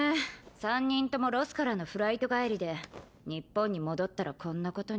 三人ともロスからのフライト帰りで日本に戻ったらこんなことに。